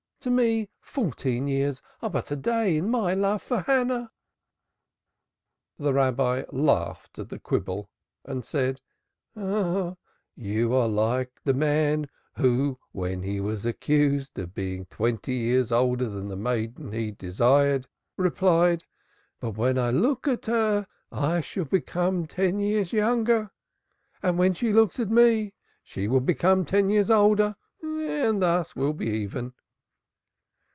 To me fourteen years are but as a day in my love for Hannah." The Rabbi laughed at the quibble and said: "You are like the man who when he was accused of being twenty years older than the maiden he desired, replied 'but when I look at her I shall become ten years younger, and when she looks at me she will become ten years older, and thus we shall be even.'"